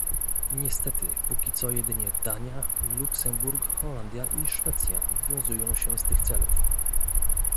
Niestety póki co jedynie Dania, Luksemburg, Holandia i Szwecja wywiązują się z tych celów